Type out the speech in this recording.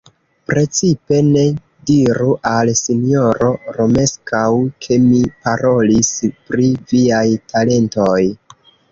Precipe ne diru al sinjoro Romeskaŭ, ke mi parolis pri viaj talentoj.